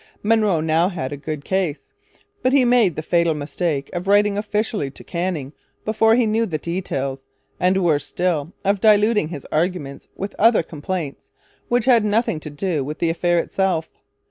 Monroe now had a good case. But he made the fatal mistake of writing officially to Canning before he knew the details, and, worse still, of diluting his argument with other complaints which had nothing to do with the affair itself.